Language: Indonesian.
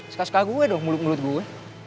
suka suka gue dong mulut gue